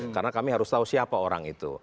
karena kami harus tahu siapa orang itu